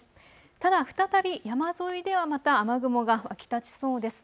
ただ再び山沿いではまた雨雲が湧き立ちそうです。